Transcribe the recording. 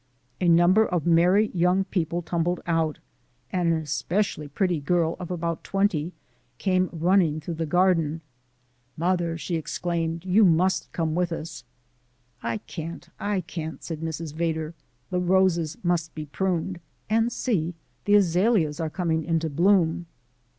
A number of merry young people tumbled out, and an especially pretty girl of about twenty came running through the garden. "Mother," she exclaimed, "you MUST come with us!" "I can't, I can't," said Mrs. Vedder, "the roses MUST be pruned and see! The azaleas are coming into bloom."